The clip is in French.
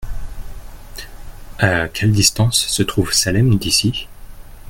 À quelle distance se trouve Salem d’ici ?